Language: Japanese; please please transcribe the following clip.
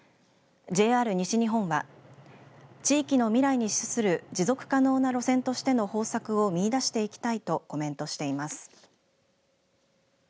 ＪＲ西日本は地域の未来に資する持続可能な路線としての方策を見いだしていきたいとコメントしています。